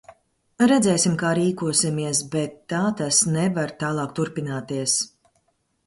Redzēsim, kā rīkosimies, bet tā tas nevar tālāk turpināties.